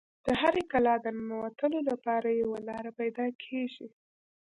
د هرې کلا د ننوتلو لپاره یوه لاره پیدا کیږي